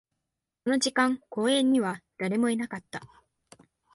この時間、公園には誰もいなかった